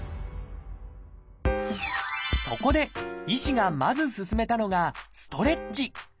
そこで医師がまず勧めたのがストレッチ。